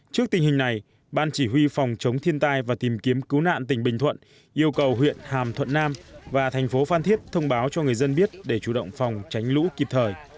trước tình hình này ban chỉ huy phòng chống thiên tai và tìm kiếm cứu nạn tỉnh bình thuận yêu cầu huyện hàm thuận nam và thành phố phan thiết thông báo cho người dân biết để chủ động phòng tránh lũ kịp thời